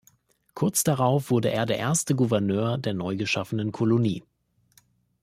Kurz darauf wurde er der erste Gouverneur der neugeschaffenen Kolonie.